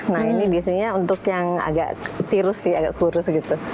nah ini biasanya untuk yang agak tirus sih agak kurus gitu